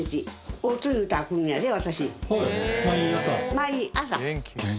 毎朝。